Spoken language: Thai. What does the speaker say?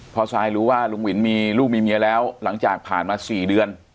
พอซายรู้ว่าลุงวินมีลูกมีเมียแล้วหลังจากผ่านมา๔เดือน